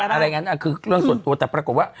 เรื่องบุลโคลดคือเรื่องส่วนตัวแต่ปรากฏว่า